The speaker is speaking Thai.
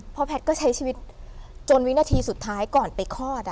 เพราะแพทย์ก็ใช้ชีวิตจนวินาทีสุดท้ายก่อนไปคลอด